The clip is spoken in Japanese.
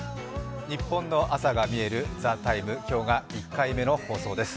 「ニッポンの空がみえる」「ＴＨＥＴＩＭＥ，」１回目の放送です。